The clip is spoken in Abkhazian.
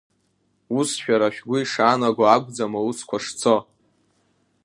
Ус шәара шгәы ишаанаго акәӡам аусқәа шцо.